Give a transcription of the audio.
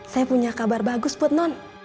saya punya kabar bagus buat non